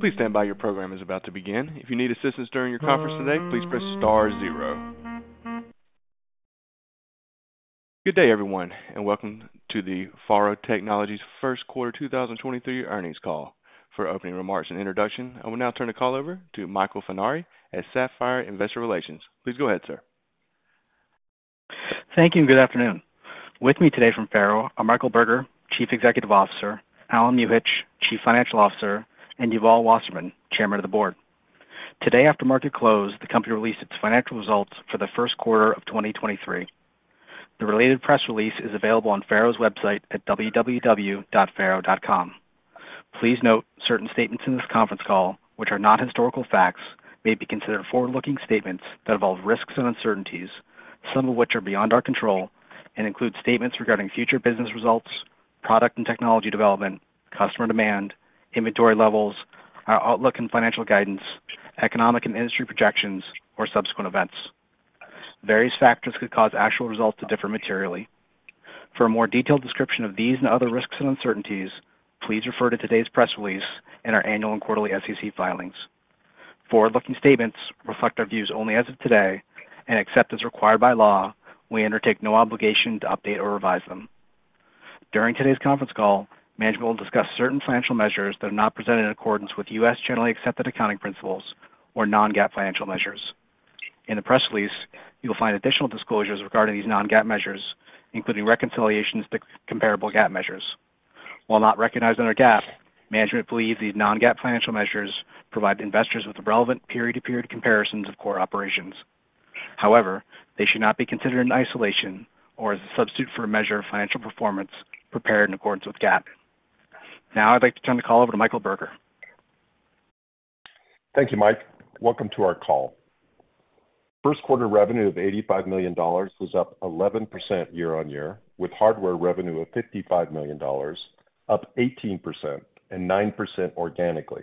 Please stand by. Your program is about to begin. If you need assistance during your conference today, please press star zero. Good day, everyone, and welcome to the FARO Technologies first quarter 2023 earnings call. For opening remarks and introduction, I will now turn the call over to Michael Funari at Sapphire Investor Relations. Please go ahead, sir. Thank you, and good afternoon. With me today from FARO are Michael Burger, Chief Executive Officer, Allen Muhich, Chief Financial Officer, and Yuval Wasserman, Chairman of the Board. Today, after market close, the company released its financial results for the first quarter of 2023. The related press release is available on FARO's website at www.faro.com. Please note certain statements in this conference call, which are not historical facts, may be considered forward-looking statements that involve risks and uncertainties, some of which are beyond our control, and include statements regarding future business results, product and technology development, customer demand, inventory levels, our outlook and financial guidance, economic and industry projections or subsequent events. Various factors could cause actual results to differ materially. For a more detailed description of these and other risks and uncertainties, please refer to today's press release and our annual and quarterly SEC filings. Forward-looking statements reflect our views only as of today, and except as required by law, we undertake no obligation to update or revise them. During today's conference call, management will discuss certain financial measures that are not presented in accordance with U.S. generally accepted accounting principles or non-GAAP financial measures. In the press release, you will find additional disclosures regarding these non-GAAP measures, including reconciliations to comparable GAAP measures. While not recognized under GAAP, management believes these non-GAAP financial measures provide investors with relevant period to period comparisons of core operations. However, they should not be considered in isolation or as a substitute for a measure of financial performance prepared in accordance with GAAP. Now I'd like to turn the call over to Michael Burger. Thank you, Michael Funari. Welcome to our call. First quarter revenue of $85 million was up 11% year-on-year, with hardware revenue of $55 million, up 18% and 9% organically.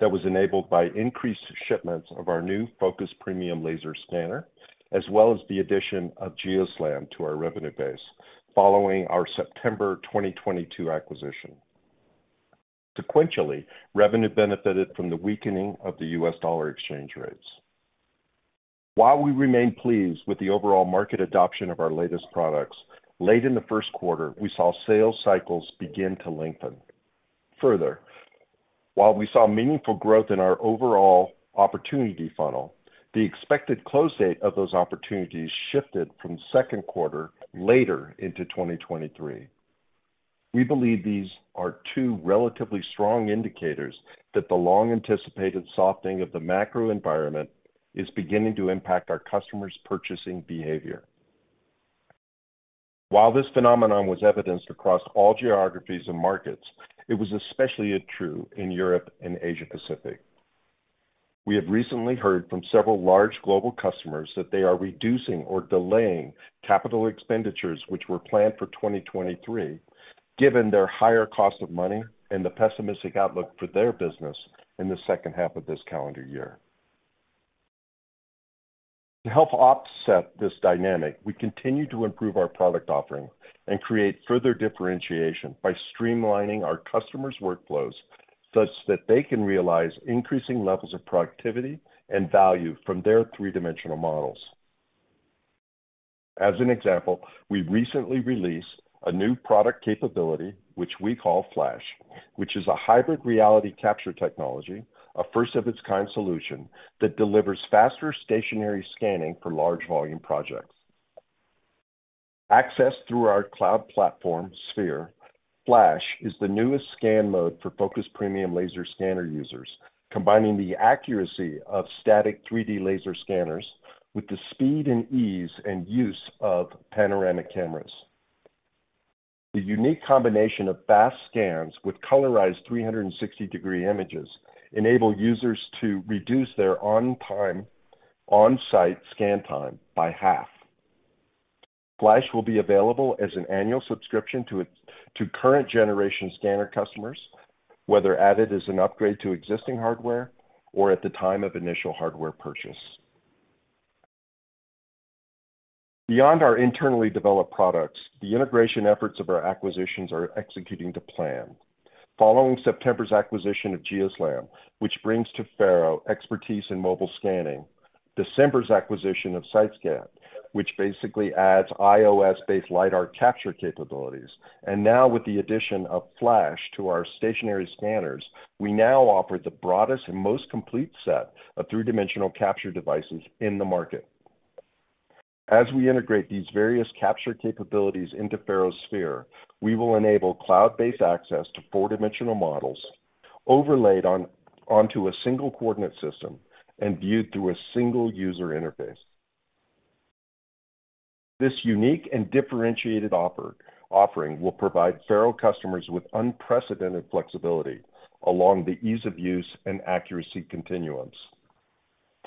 That was enabled by increased shipments of our new Focus Premium laser scanner, as well as the addition of GeoSLAM to our revenue base following our September 2022 acquisition. Sequentially, revenue benefited from the weakening of the U.S. dollar exchange rates. While we remain pleased with the overall market adoption of our latest products, late in the first quarter, we saw sales cycles begin to lengthen. While we saw meaningful growth in our overall opportunity funnel, the expected close date of those opportunities shifted from second quarter later into 2023. We believe these are two relatively strong indicators that the long-anticipated softening of the macro environment is beginning to impact our customers' purchasing behavior. While this phenomenon was evidenced across all geographies and markets, it was especially true in Europe and Asia Pacific. We have recently heard from several large global customers that they are reducing or delaying capital expenditures which were planned for 2023, given their higher cost of money and the pessimistic outlook for their business in the second half of this calendar year. To help offset this dynamic, we continue to improve our product offering and create further differentiation by streamlining our customers' workflows such that they can realize increasing levels of productivity and value from their three-dimensional models. As an example, we recently released a new product capability, which we call Flash, which is a Hybrid Reality Capture technology, a first of its kind solution that delivers faster stationary scanning for large volume projects. Accessed through our cloud platform, Sphere, Flash is the newest scan mode for Focus Premium laser scanner users, combining the accuracy of static 3D laser scanners with the speed and ease and use of panoramic cameras. The unique combination of fast scans with colorized 360-degree images enable users to reduce their on-site scan time by half. Flash will be available as an annual subscription to current generation scanner customers, whether added as an upgrade to existing hardware or at the time of initial hardware purchase. Beyond our internally developed products, the integration efforts of our acquisitions are executing to plan. Following September's acquisition of GeoSLAM, which brings to FARO expertise in mobile scanning, December's acquisition of SiteScape, which basically adds iOS-based LiDAR capture capabilities, and now with the addition of Flash to our stationary scanners, we now offer the broadest and most complete set of three-dimensional capture devices in the market. As we integrate these various capture capabilities into FARO Sphere, we will enable cloud-based access to four-dimensional models overlaid onto a single coordinate system and viewed through a single user interface. This unique and differentiated offering will provide FARO customers with unprecedented flexibility along the ease of use and accuracy continuums.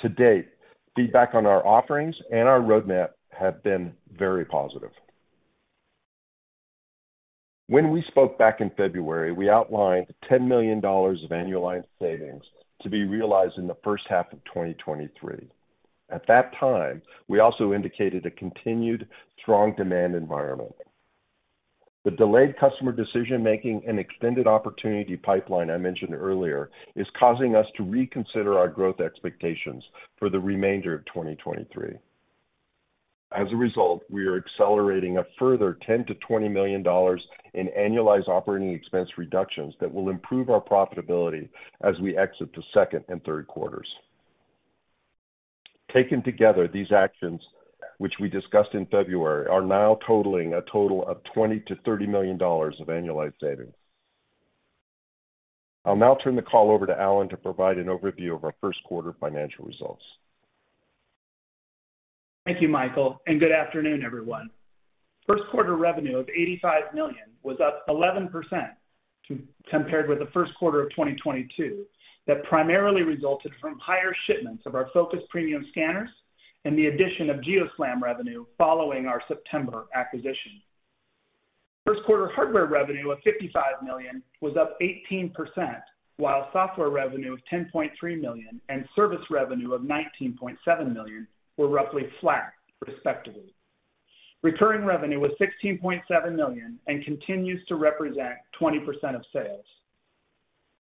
To date, feedback on our offerings and our roadmap have been very positive. When we spoke back in February, we outlined $10 million of annual line savings to be realized in the first half of 2023. At that time, we also indicated a continued strong demand environment. The delayed customer decision making and extended opportunity pipeline I mentioned earlier is causing us to reconsider our growth expectations for the remainder of 2023. As a result, we are accelerating a further $10 million-$20 million in annualized OpEx reductions that will improve our profitability as we exit the second and third quarters. Taken together, these actions, which we discussed in February, are now totaling a total of $20 million-$30 million of annualized savings. I'll now turn the call over to Allen to provide an overview of our first quarter financial results. Thank you, Michael. Good afternoon, everyone. First quarter revenue of $85 million was up 11% compared with the first quarter of 2022. That primarily resulted from higher shipments of our Focus Premium scanners and the addition of GeoSLAM revenue following our September acquisition. First quarter hardware revenue of $55 million was up 18%, while software revenue of $10.3 million and service revenue of $19.7 million were roughly flat respectively. Recurring revenue was $16.7 million and continues to represent 20% of sales.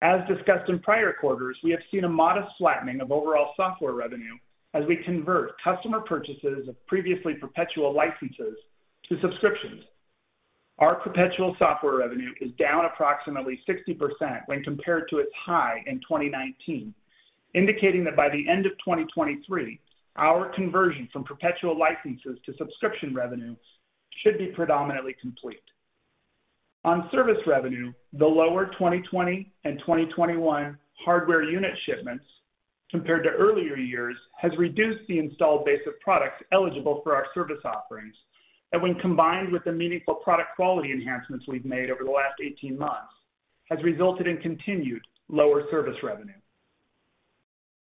As discussed in prior quarters, we have seen a modest flattening of overall software revenue as we convert customer purchases of previously perpetual licenses to subscriptions. Our perpetual software revenue is down approximately 60% when compared to its high in 2019, indicating that by the end of 2023, our conversion from perpetual licenses to subscription revenue should be predominantly complete. On service revenue, the lower 2020 and 2021 hardware unit shipments compared to earlier years has reduced the installed base of products eligible for our service offerings that when combined with the meaningful product quality enhancements we've made over the last 18 months, has resulted in continued lower service revenue.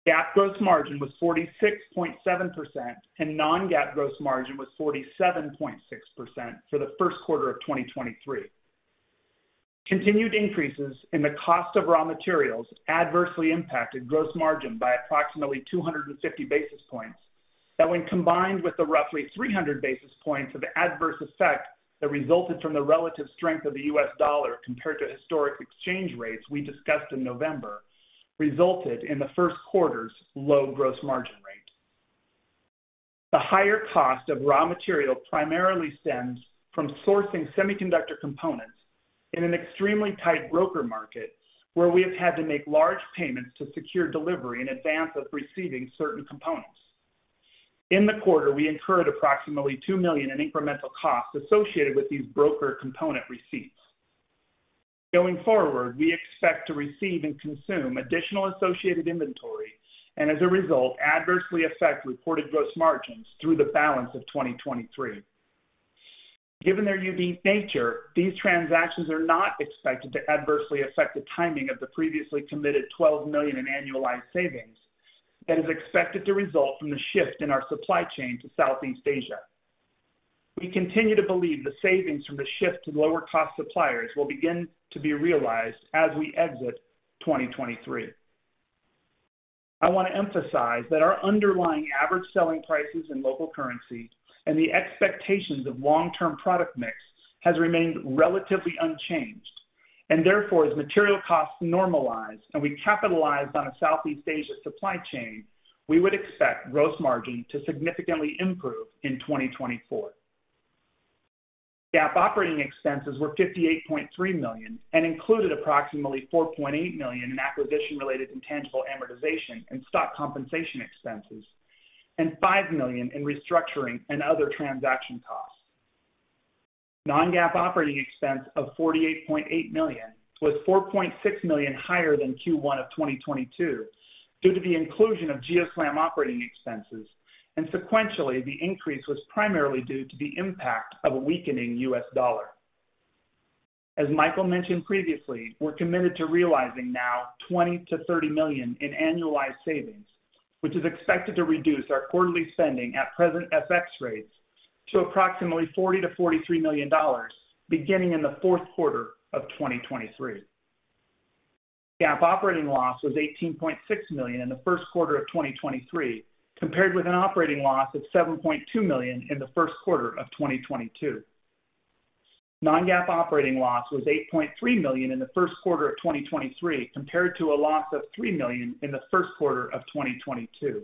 GAAP gross margin was 46.7%, and non-GAAP gross margin was 47.6% for the first quarter of 2023. Continued increases in the cost of raw materials adversely impacted gross margin by approximately 250 basis points that when combined with the roughly 300 basis points of adverse effect that resulted from the relative strength of the U.S. dollar compared to historic exchange rates we discussed in November, resulted in the first quarter's low gross margin rate. The higher cost of raw material primarily stems from sourcing semiconductor components in an extremely tight broker market where we have had to make large payments to secure delivery in advance of receiving certain components. In the quarter, we incurred approximately $2 million in incremental costs associated with these broker component receipts. Going forward, we expect to receive and consume additional associated inventory and as a result adversely affect reported gross margins through the balance of 2023. Given their unique nature, these transactions are not expected to adversely affect the timing of the previously committed $12 million in annualized savings that is expected to result from the shift in our supply chain to Southeast Asia. We continue to believe the savings from the shift to lower cost suppliers will begin to be realized as we exit 2023. I want to emphasize that our underlying average selling prices in local currency and the expectations of long-term product mix has remained relatively unchanged. Therefore, as material costs normalize and we capitalize on a Southeast Asia supply chain, we would expect gross margin to significantly improve in 2024. GAAP operating expenses were $58.3 million and included approximately $4.8 million in acquisition-related intangible amortization and stock compensation expenses, and $5 million in restructuring and other transaction costs. Non-GAAP operating expense of $48.8 million was $4.6 million higher than Q1 of 2022 due to the inclusion of GeoSLAM operating expenses. Sequentially, the increase was primarily due to the impact of a weakening U.S. dollar. As Michael Burger mentioned previously, we're committed to realizing now $20 million-$30 million in annualized savings, which is expected to reduce our quarterly spending at present FX rates to approximately $40 million-$43 million beginning in the fourth quarter of 2023. GAAP operating loss was $18.6 million in the first quarter of 2023, compared with an operating loss of $7.2 million in the first quarter of 2022. Non-GAAP operating loss was $8.3 million in the first quarter of 2023, compared to a loss of $3 million in the first quarter of 2022.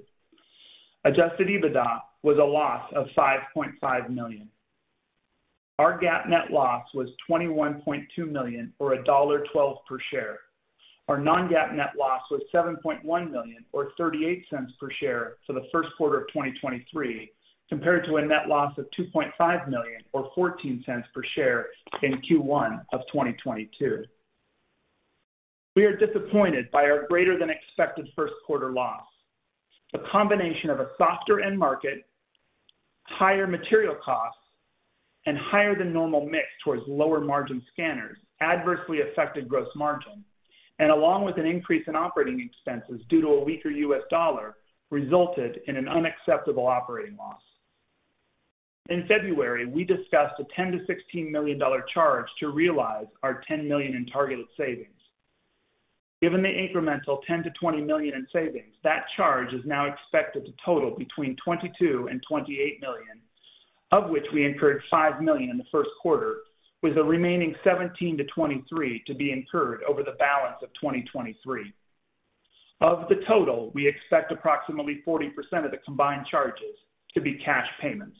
Adjusted EBITDA was a loss of $5.5 million. Our GAAP net loss was $21.2 million or $1.12 per share. Our non-GAAP net loss was $7.1 million or $0.38 per share for the first quarter of 2023, compared to a net loss of $2.5 million or $0.14 per share in Q1 of 2022. We are disappointed by our greater than expected first quarter loss. The combination of a softer end market, higher material costs, and higher than normal mix towards lower margin scanners adversely affected gross margin and along with an increase in operating expenses due to a weaker U.S. dollar, resulted in an unacceptable operating loss. In February, we discussed a $10 million-$16 million charge to realize our $10 million in targeted savings. Given the incremental $10 million-$20 million in savings, that charge is now expected to total between $22 million and $28 million, of which we incurred $5 million in the first quarter, with the remaining $17 million-$23 million to be incurred over the balance of 2023. Of the total, we expect approximately 40% of the combined charges to be cash payments.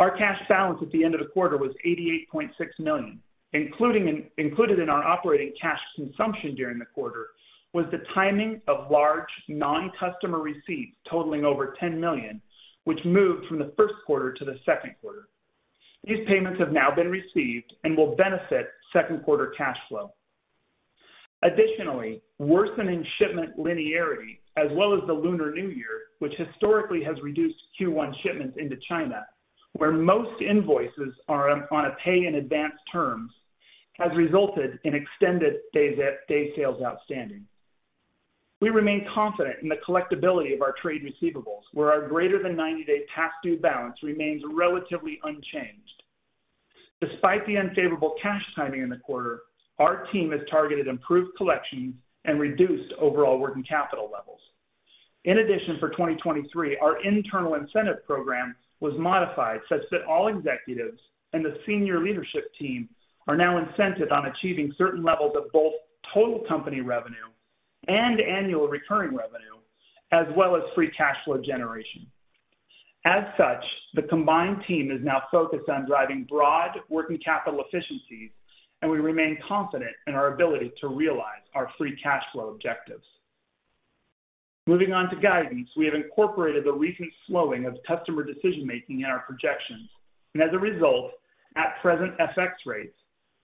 Our cash balance at the end of the quarter was $88.6 million, included in our operating cash consumption during the quarter was the timing of large non-customer receipts totaling over $10 million, which moved from the first quarter to the second quarter. These payments have now been received and will benefit second quarter cash flow. Additionally, worsening shipment linearity as well as the Lunar New Year, which historically has reduced Q1 shipments into China, where most invoices are on a pay in advance terms, has resulted in extended day sales outstanding. We remain confident in the collectibility of our trade receivables, where our greater than 90-day past due balance remains relatively unchanged. Despite the unfavorable cash timing in the quarter, our team has targeted improved collections and reduced overall working capital levels. In addition, for 2023, our internal incentive program was modified such that all executives and the senior leadership team are now incented on achieving certain levels of both total company revenue and annual recurring revenue, as well as free cash flow generation. As such, the combined team is now focused on driving broad working capital efficiencies, and we remain confident in our ability to realize our free cash flow objectives. Moving on to guidance, we have incorporated the recent slowing of customer decision-making in our projections and as a result, at present FX rates,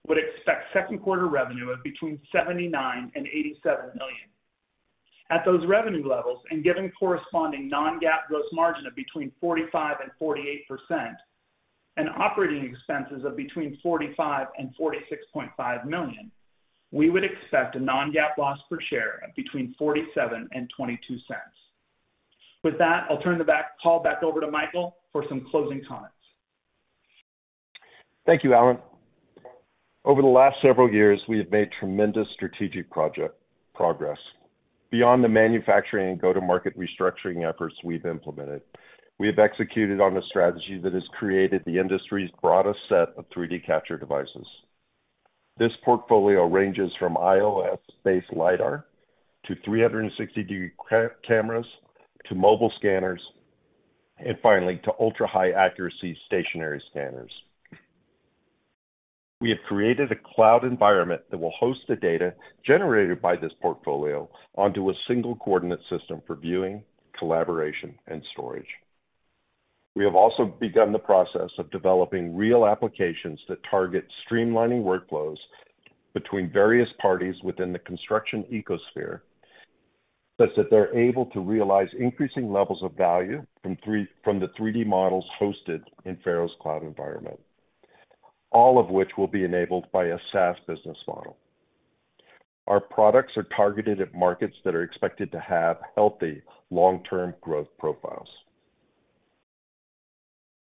would expect second quarter revenue of between $79 million and $87 million. At those revenue levels and given corresponding non-GAAP gross margin of between 45% and 48% and operating expenses of between $45 million and $46.5 million, we would expect a non-GAAP loss per share of between $0.47 and $0.22. With that, I'll turn the call back over to Michael for some closing comments. Thank you, Allen. Over the last several years, we have made tremendous strategic progress. Beyond the manufacturing and go-to-market restructuring efforts we've implemented, we have executed on a strategy that has created the industry's broadest set of 3D capture devices. This portfolio ranges from iOS-based LiDAR to 360-degree cameras, to mobile scanners, finally, to ultra-high accuracy stationary scanners. We have created a cloud environment that will host the data generated by this portfolio onto a single coordinate system for viewing, collaboration, and storage. We have also begun the process of developing real applications that target streamlining workflows between various parties within the construction ecosphere, such that they're able to realize increasing levels of value from the 3D models hosted in FARO's cloud environment, all of which will be enabled by a SaaS business model. Our products are targeted at markets that are expected to have healthy long-term growth profiles.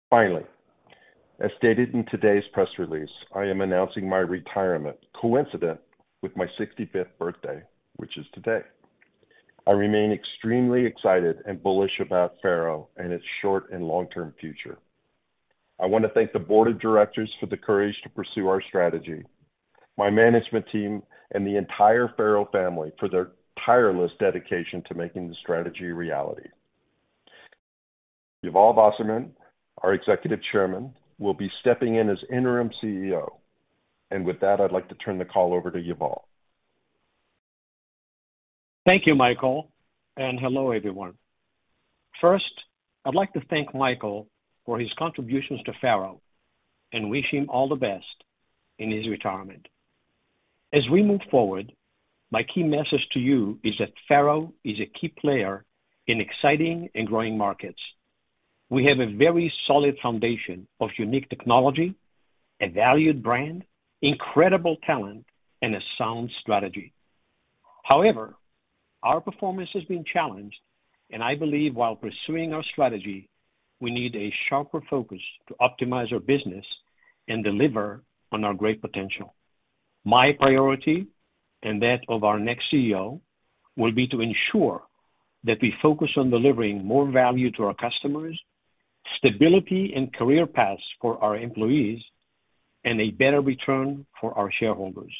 Finally, as stated in today's press release, I am announcing my retirement coincident with my 65th birthday, which is today. I remain extremely excited and bullish about FARO and its short and long-term future. I wanna thank the Board of Directors for the courage to pursue our strategy, my management team and the entire FARO family for their tireless dedication to making the strategy a reality. Yuval Wasserman, our Executive Chairman, will be stepping in as interim CEO. With that, I'd like to turn the call over to Yuval. Thank you, Michael. Hello everyone. First, I'd like to thank Michael for his contributions to FARO and wish him all the best in his retirement. As we move forward, my key message to you is that FARO is a key player in exciting and growing markets. We have a very solid foundation of unique technology, a valued brand, incredible talent, and a sound strategy. However, our performance has been challenged and I believe while pursuing our strategy, we need a sharper focus to optimize our business and deliver on our great potential. My priority, and that of our next CEO, will be to ensure that we focus on delivering more value to our customers, stability and career paths for our employees, and a better return for our shareholders.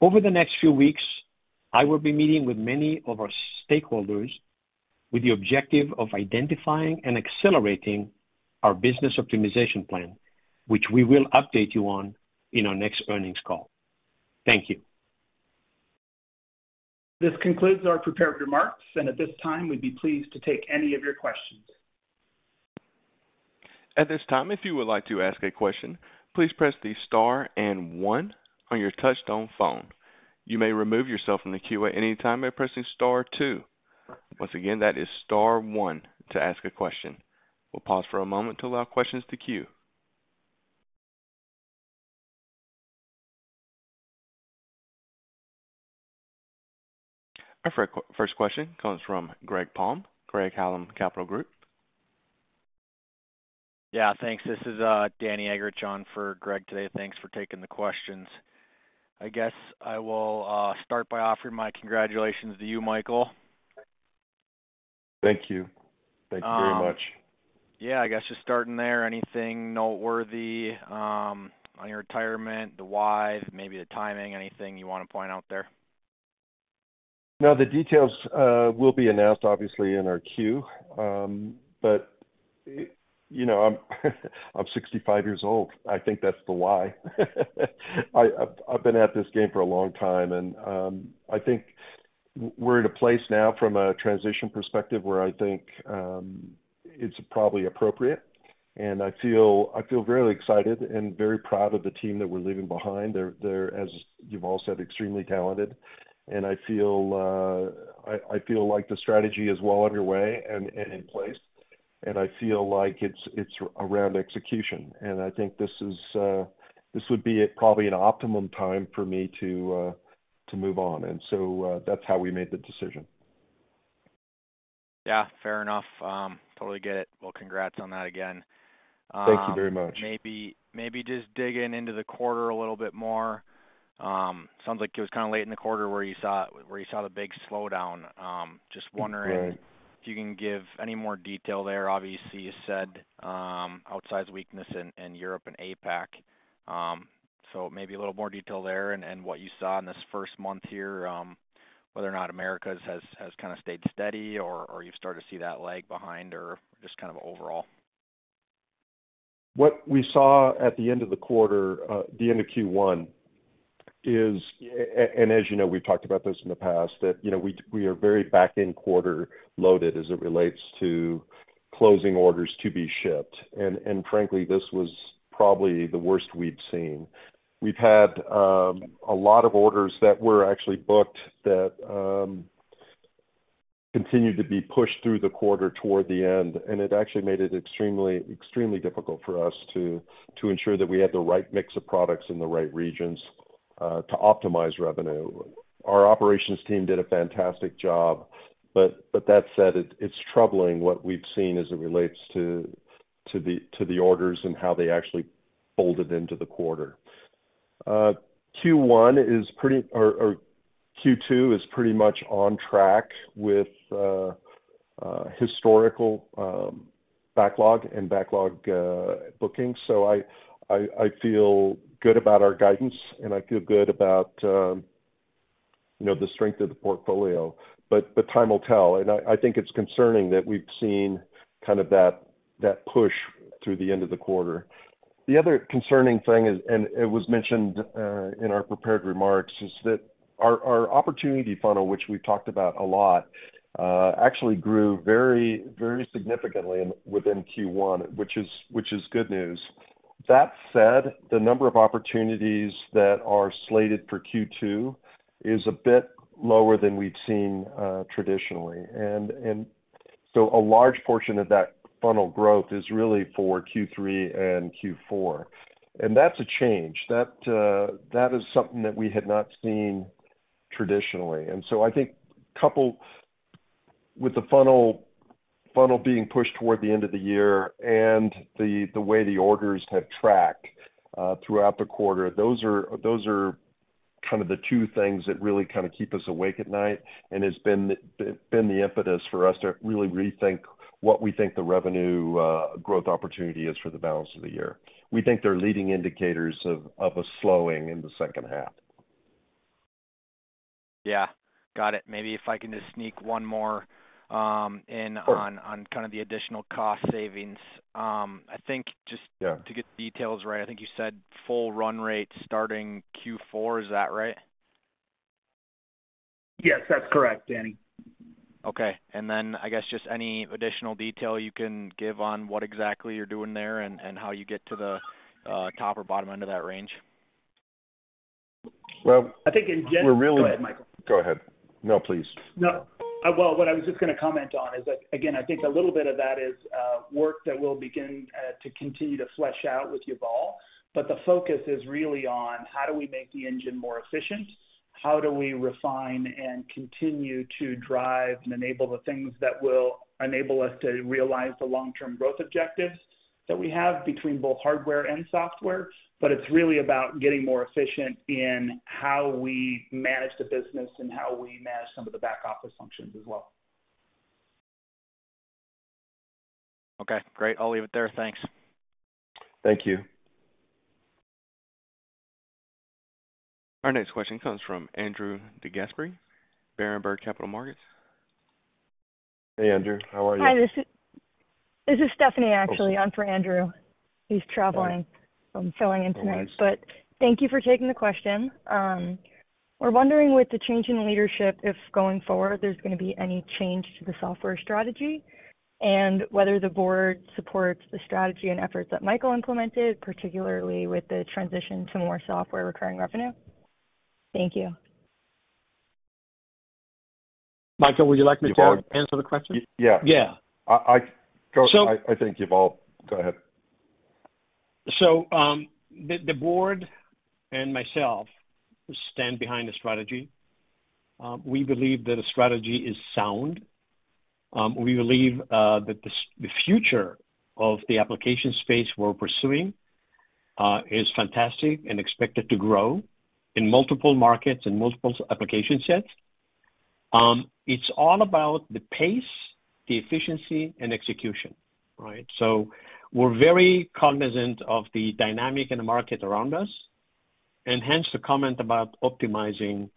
Over the next few weeks, I will be meeting with many of our stakeholders with the objective of identifying and accelerating our business optimization plan, which we will update you on in our next earnings call. Thank you. This concludes our prepared remarks, and at this time, we'd be pleased to take any of your questions. At this time, if you would like to ask a question, please press the star and one on your touchtone phone. You may remove yourself from the queue at any time by pressing star two. Once again, that is star one to ask a question. We'll pause for a moment to allow questions to queue. Our first question comes from Greg Palm, Craig-Hallum Capital Group. Yeah, thanks. This isDanny Eggerichs on for Greg today.. Thanks for taking the questions. I guess I will start by offering my congratulations to you, Michael. Thank you. Thank you very much. I guess just starting there, anything noteworthy, on your retirement, the why, maybe the timing, anything you wanna point out there? No, the details will be announced obviously in our Q. You know, I'm 65 years old. I think that's the why. I've been at this game for a long time, I think we're at a place now from a transition perspective where I think it's probably appropriate. I feel really excited and very proud of the team that we're leaving behind. They're, as you've all said, extremely talented. I feel like the strategy is well underway and in place, I feel like it's around execution. I think this would be a probably an optimum time for me to move on. That's how we made the decision. Yeah, fair enough. totally get it. Congrats on that again. Thank you very much. Maybe just digging into the quarter a little bit more. Sounds like it was kind of late in the quarter where you saw the big slowdown. That's right. if you can give any more detail there. Obviously, you said, outsized weakness in Europe and APAC. Maybe a little more detail there and what you saw in this first month here, whether or not Americas has kind of stayed steady or you've started to see that lag behind or just kind of overall. What we saw at the end of the quarter, the end of Q1 is. As you know, we've talked about this in the past, that, you know, we are very back-end quarter loaded as it relates to closing orders to be shipped. Frankly, this was probably the worst we've seen. We've had a lot of orders that were actually booked that continued to be pushed through the quarter toward the end. It actually made it extremely difficult for us to ensure that we had the right mix of products in the right regions to optimize revenue. Our operations team did a fantastic job. That said, it's troubling what we've seen as it relates to the orders and how they actually folded into the quarter. Q2 is pretty much on track with historical backlog and backlog bookings. I feel good about our guidance, and I feel good about, you know, the strength of the portfolio. Time will tell, and I think it's concerning that we've seen kind of that push through the end of the quarter. The other concerning thing is, and it was mentioned in our prepared remarks, is that our opportunity funnel, which we've talked about a lot, actually grew very significantly within Q1, which is good news. That said, the number of opportunities that are slated for Q2 is a bit lower than we've seen traditionally. A large portion of that funnel growth is really for Q3 and Q4. That's a change. That is something that we had not seen traditionally. I think coupled with the funnel being pushed toward the end of the year and the way the orders have tracked, throughout the quarter, those are kind of the two things that really kinda keep us awake at night and has been the impetus for us to really rethink what we think the revenue growth opportunity is for the balance of the year. We think they're leading indicators of a slowing in the second half. Yeah. Got it. Maybe if I can just sneak one more. Sure... on kind of the additional cost savings. I think Yeah to get the details right, I think you said full run rate starting Q4. Is that right? Yes, that's correct, Danny. Okay. I guess just any additional detail you can give on what exactly you're doing there and how you get to the, top or bottom end of that range? Well- I think We're really- Go ahead, Michael. Go ahead. No, please. No. Well, what I was just gonna comment on is that, again, I think a little bit of that is, work that we'll begin to continue to flesh out with Yuval. The focus is really on how do we make the engine more efficient? How do we refine and continue to drive and enable the things that will enable us to realize the long-term growth objectives that we have between both hardware and software? It's really about getting more efficient in how we manage the business and how we manage some of the back office functions as well. Okay, great. I'll leave it there. Thanks. Thank you. Our next question comes from Andrew DeGasperi, Berenberg Capital Markets. Hey, Andrew. How are you? Hi, This is Stephanie actually. Oh. I'm for Andrew. He's traveling. All right. I'm filling in tonight. Oh, nice. Thank you for taking the question. We're wondering, with the change in leadership, if going forward there's gonna be any change to the software strategy, and whether the board supports the strategy and efforts that Michael implemented, particularly with the transition to more software recurring revenue. Thank you. Michael, would you like me to- Yuval? answer the question? Y-yeah. Yeah. I, So- I think, Yuval. Go ahead. The Board and myself stand behind the strategy. We believe that a strategy is sound. We believe that the future of the application space we're pursuing is fantastic and expected to grow in multiple markets and multiple application sets. It's all about the pace, the efficiency, and execution, right? We're very cognizant of the dynamic in the market around us, and hence the comment about optimizing,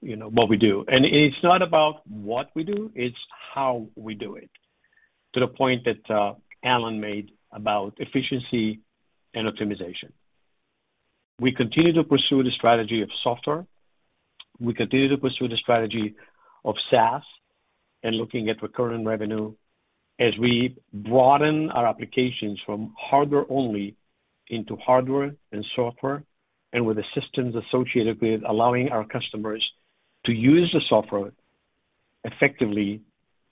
you know, what we do. It's not about what we do, it's how we do it. To the point that Alan made about efficiency and optimization. We continue to pursue the strategy of software. We continue to pursue the strategy of SaaS and looking at recurring revenue as we broaden our applications from hardware only into hardware and software, and with the systems associated with allowing our customers to use the software effectively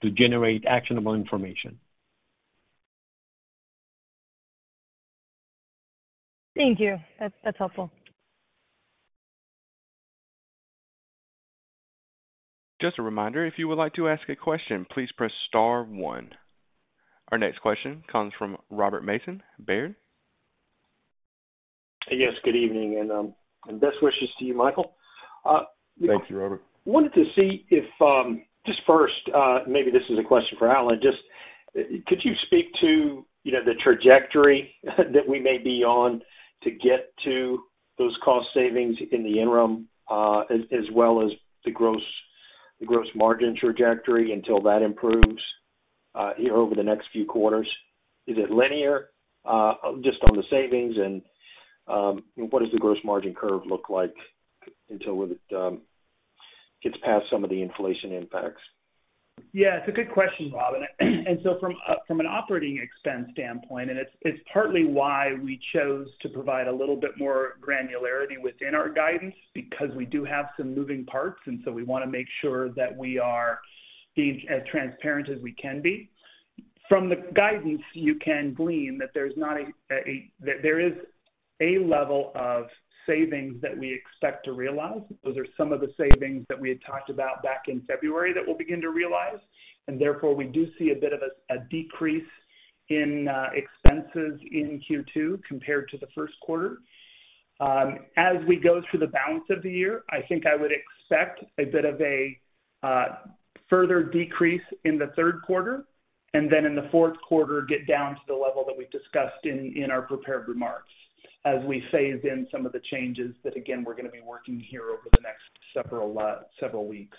to generate actionable information. Thank you. That's helpful. Just a reminder, if you would like to ask a question, please press star one. Our next question comes from Robert Mason, Baird. Yes, good evening, and best wishes to you, Michael. Thank you, Robert. Wanted to see if, just first, maybe this is a question for Allen, just could you speak to, you know, the trajectory that we may be on to get to those cost savings in the interim, as well as the gross margin trajectory until that improves, you know, over the next few quarters? Is it linear, just on the savings? What does the gross margin curve look like until it, gets past some of the inflation impacts? Yeah, it's a good question, Rob. From an operating expense standpoint, and it's partly why we chose to provide a little bit more granularity within our guidance because we do have some moving parts, and so we wanna make sure that we are being as transparent as we can be. From the guidance, you can glean that there is a level of savings that we expect to realize. Those are some of the savings that we had talked about back in February that we'll begin to realize, and therefore, we do see a bit of a decrease in expenses in Q2 compared to the first quarter. As we go through the balance of the year, I think I would expect a bit of a further decrease in the third quarter. In the fourth quarter, get down to the level that we've discussed in our prepared remarks as we phase in some of the changes that, again, we're gonna be working here over the next several weeks.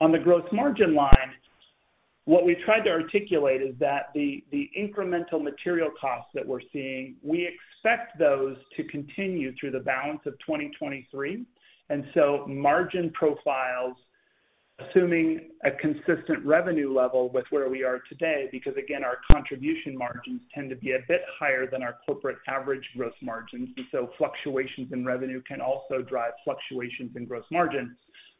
On the gross margin line, what we tried to articulate is that the incremental material costs that we're seeing, we expect those to continue through the balance of 2023. Margin profiles, assuming a consistent revenue level with where we are today, because again, our contribution margins tend to be a bit higher than our corporate average gross margins, and so fluctuations in revenue can also drive fluctuations in gross margins.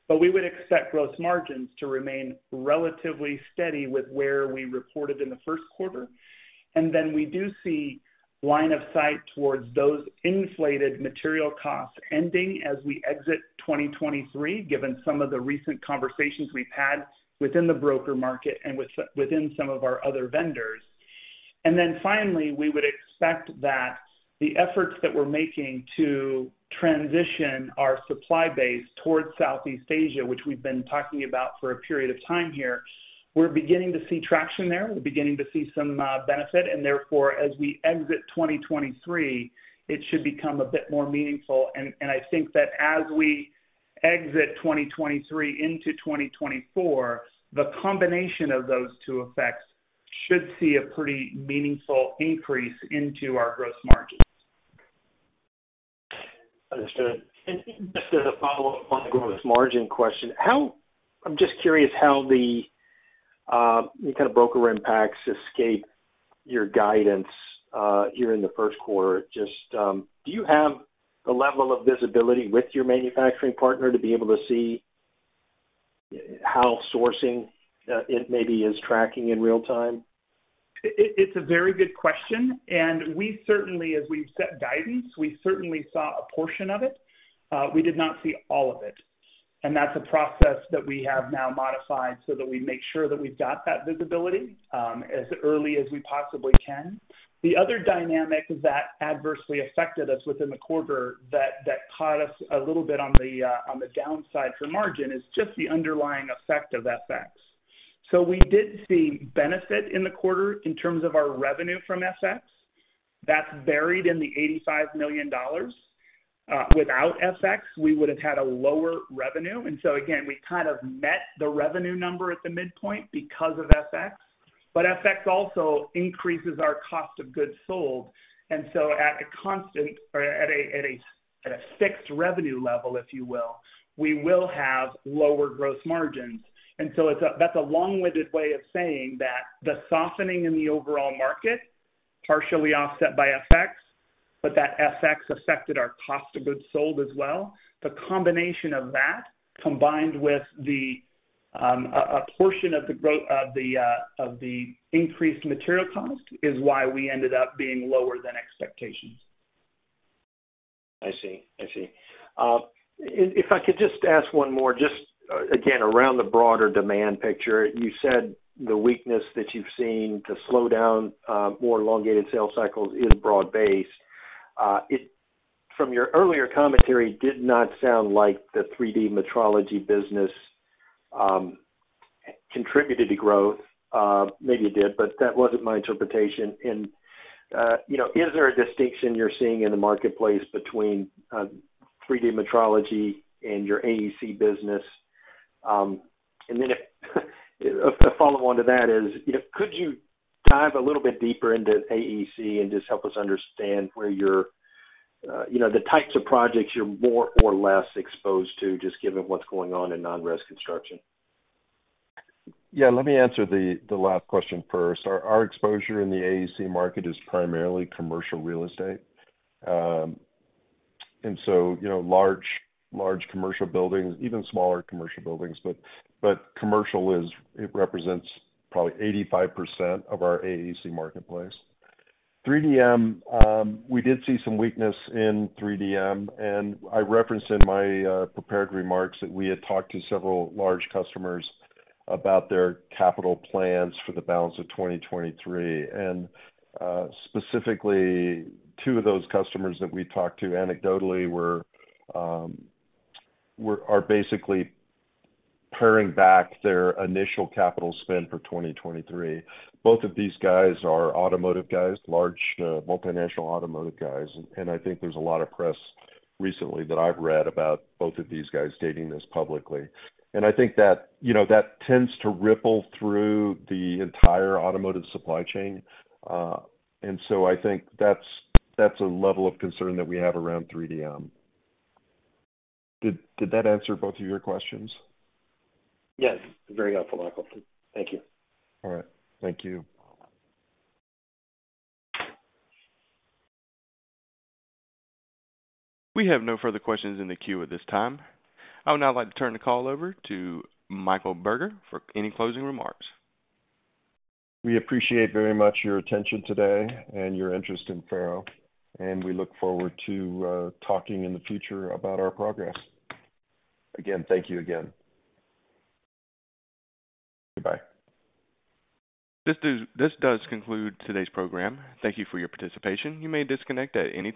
We would expect gross margins to remain relatively steady with where we reported in the first quarter. We do see line of sight towards those inflated material costs ending as we exit 2023, given some of the recent conversations we've had within the broker market and within some of our other vendors. Finally, we would expect that the efforts that we're making to transition our supply base towards Southeast Asia, which we've been talking about for a period of time here, we're beginning to see traction there. We're beginning to see some benefit. Therefore, as we exit 2023, it should become a bit more meaningful. And I think that as we exit 2023 into 2024, the combination of those two effects should see a pretty meaningful increase into our gross margins. Understood. Just as a follow-up on the gross margin question, I'm just curious how the kind of broker impacts escape your guidance here in the first quarter. Just, do you have the level of visibility with your manufacturing partner to be able to see how sourcing it maybe is tracking in real time? It's a very good question, we certainly, as we've set guidance, we certainly saw a portion of it. We did not see all of it. That's a process that we have now modified so that we make sure that we've got that visibility as early as we possibly can. The other dynamic that adversely affected us within the quarter that caught us a little bit on the downside for margin is just the underlying effect of FX. We did see benefit in the quarter in terms of our revenue from FX. That's buried in the $85 million. Without FX, we would've had a lower revenue. Again, we kind of met the revenue number at the midpoint because of FX. FX also increases our cost of goods sold, at a constant or at a fixed revenue level, if you will, we will have lower growth margins. That's a long-winded way of saying that the softening in the overall market partially offset by FX, but that FX affected our cost of goods sold as well. The combination of that combined with a portion of the increased material cost is why we ended up being lower than expectations. I see. I see. If I could just ask one more, again, around the broader demand picture? You said the weakness that you've seen, the slowdown, more elongated sales cycles is broad-based. It from your earlier commentary did not sound like the 3D Metrology business contributed to growth. Maybe it did, but that wasn't my interpretation. You know, is there a distinction you're seeing in the marketplace between 3D Metrology and your AEC business? Then if a follow-on to that is, you know, could you dive a little bit deeper into AEC and just help us understand where you're, you know, the types of projects you're more or less exposed to just given what's going on in non-res construction? Let me answer the last question first. Our exposure in the AEC market is primarily commercial real estate. You know, large commercial buildings, even smaller commercial buildings, commercial is, it represents probably 85% of our AEC marketplace. 3DM, we did see some weakness in 3DM, and I referenced in my prepared remarks that we had talked to several large customers about their capital plans for the balance of 2023. Specifically, two of those customers that we talked to anecdotally were basically paring back their initial capital spend for 2023. Both of these guys are automotive guys, large multinational automotive guys, I think there's a lot of press recently that I've read about both of these guys stating this publicly. I think that, you know, that tends to ripple through the entire automotive supply chain. I think that's a level of concern that we have around 3DM. Did that answer both of your questions? Yes. Very helpful, Michael. Thank you. All right. Thank you. We have no further questions in the queue at this time. I would now like to turn the call over to Michael Burger for any closing remarks. We appreciate very much your attention today and your interest in FARO. We look forward to talking in the future about our progress. Again, thank you again. Goodbye. This does conclude today's program. Thank you for your participation. You may disconnect at any time.